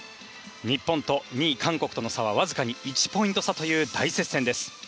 日本と２位韓国との差はわずかに１ポイント差という大接戦です。